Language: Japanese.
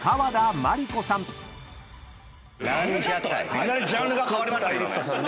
いきなりジャンル変わりましたよね。